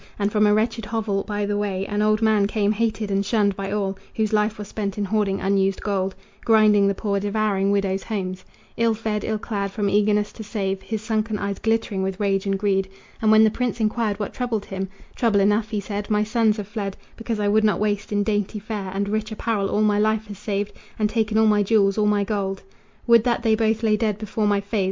And from a wretched hovel by the way An old man came, hated and shunned by all, Whose life was spent in hoarding unused gold, Grinding the poor, devouring widows' homes; Ill fed, ill clad, from eagerness to save, His sunken eyes glittering with rage and greed. And when the prince enquired what troubled him: "Trouble enough," he said, "my sons have fled Because I would not waste in dainty fare And rich apparel all my life has saved, And taken all my jewels, all my gold. Would that they both lay dead before my face!